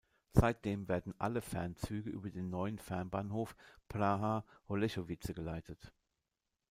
Seitdem werden alle Fernzüge über den neuen Fernbahnhof Praha-Holešovice geleitet.